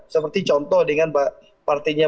seperti contoh dengan partainya